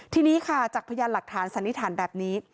ทีนี้ค่ะจากพยานหลักฐานสันนิษฐานแบบนี้